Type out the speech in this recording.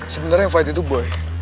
sebenernya yang fight itu boy